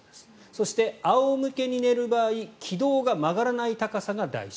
そして、仰向けに寝る場合気道が曲がらない高さが大事。